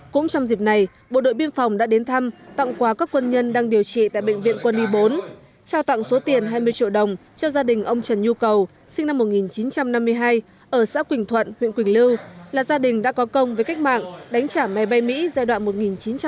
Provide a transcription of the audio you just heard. cũng trong dịp này bộ đội biên phòng đã đến thăm tặng quà các quân nhân đang điều trị tại bệnh viện quân y bốn trao tặng số tiền hai mươi triệu đồng cho gia đình ông trần nhu cầu sinh năm một nghìn chín trăm năm mươi hai ở xã quỳnh thuận huyện quỳnh lưu là gia đình đã có công với cách mạng đánh trả máy bay mỹ giai đoạn một nghìn chín trăm bảy mươi năm